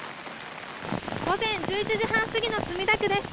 午前１１時半過ぎの墨田区です。